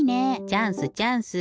チャンスチャンス！